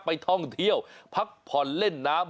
ไปท่องเที่ยวพักผ่อนเล่นน้ำ